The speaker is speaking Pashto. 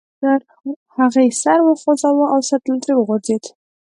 هغې سر وخوزاوه او سطل ترې وغورځید.